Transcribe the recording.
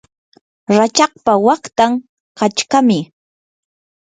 rachakpa waqtan qachqami.